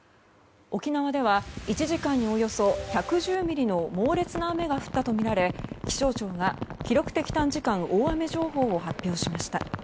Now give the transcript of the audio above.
沖縄では１時間におよそ１１０ミリの猛烈な雨が降ったとみられ気象庁が記録的短時間大雨情報を発表しました。